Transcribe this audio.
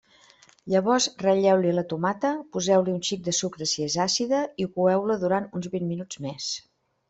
Llavors ratlleu-hi la tomata, poseu-hi un xic de sucre si és àcida i coeu-la durant uns vint minuts més.